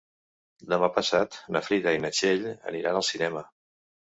Demà passat na Frida i na Txell aniran al cinema.